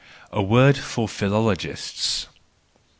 A Word for Philologists